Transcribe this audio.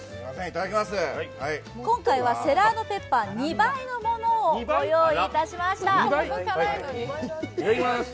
今回は、セラーノペッパー２倍のものをご用意しました。